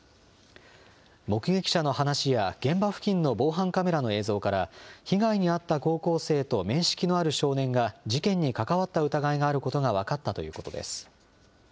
目撃者の話や、現場付近の防犯カメラの映像から、被害に遭った高校生と面識のある少年が、事件に関わった疑いがあることが分かったということです。